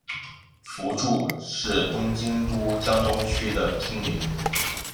福住是东京都江东区的町名。